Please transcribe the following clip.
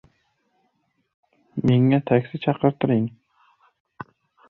Jimlik cho‘kdi.